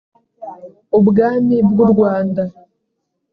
ubwami bw’u rwanda